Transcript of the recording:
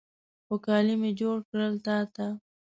خو، کالي مې جوړ کړل تا ته